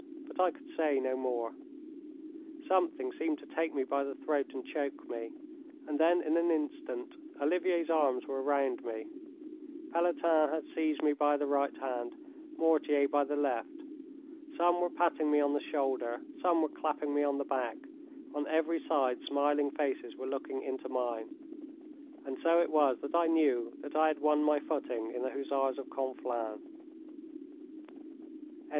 but I could say no more. Something seemed to take me by the throat and choke me. And then in an instant Olivier's arms were round me, Pelletan had seized me by the right hand, Mortier by the left, some were patting me on the shoulder, some were clapping me on the back, on every side smiling faces were looking into mine; and so it was that I knew that I had won my footing in the Hussars of Conflans. III.